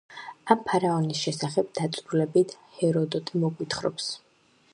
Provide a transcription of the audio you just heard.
ამ ფარაონის შესახებ დაწვრილებით ჰეროდოტე მოგვითხრობს.